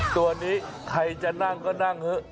ตัวนี้ใครจะนั่งก็นั่งเถอะ